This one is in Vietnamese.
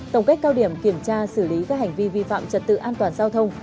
tổng kết cao điểm kiểm tra xử lý các hành vi vi phạm trật tự an toàn giao thông